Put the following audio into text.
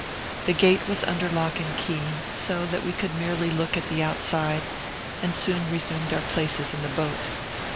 The gate was under lock and key, so that we could merely look at the outside, and soon resumed our places in the boat.